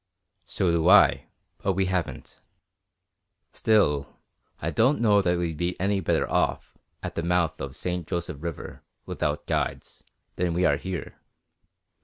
"So do I, but we haven't. Still, I don't know that we'd be any better off, at the mouth of the St. Joseph River, without guides, than we are here.